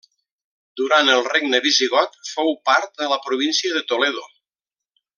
Durant el regne visigot fou part de la província de Toledo.